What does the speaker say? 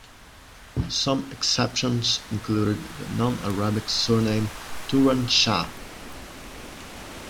Some exceptions included the non-Arabic surname Turan-Shah.